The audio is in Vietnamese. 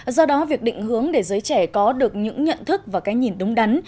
do đó việc định hướng để giới trẻ có được những nhận thức và cái nhìn đúng đắn